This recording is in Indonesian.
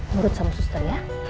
nurut sama suster ya